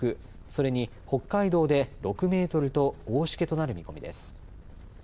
それに北海道で６メートルと大しけとなる見込みです。